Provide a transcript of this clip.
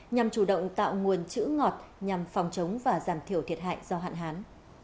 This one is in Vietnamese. nhằm chủ động tạo nguồn chữ ngọt nhằm phòng chống và giảm thiểu thiệt hại do hạn hán